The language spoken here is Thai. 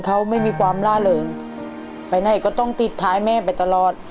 เขาไม่มีความล่าเริงไปไหนก็ต้องติดท้ายแม่ไปตลอด